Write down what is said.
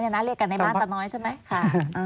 เรียกกันในบ้านตาน้อยใช่ไหมค่ะ